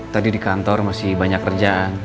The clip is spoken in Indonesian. tadi di kantor masih banyak kerjaan